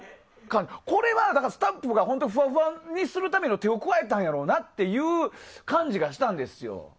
これは、スタッフが本当ふわふわにするための手を加えたんやろうなっていう感じがしたんですよ。